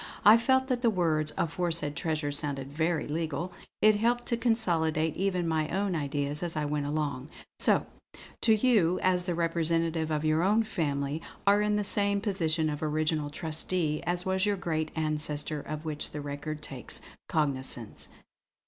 I felt that the words 'aforesaid treasure' sounded very legal; it helped to consolidate even my own ideas as I went along. "So, too, you as the representative of your own family, are in the same position of original trustee as was your great ancestor of which this record takes cognisance."